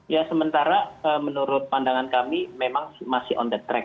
ya sementara menurut pandangan kami memang masih on the track